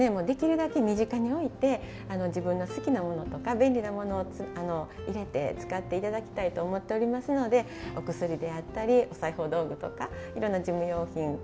できるだけ身近に置いて自分の好きなものとか便利なものを入れて使って頂きたいと思っておりますのでお薬であったりお裁縫道具とかいろんな事務用品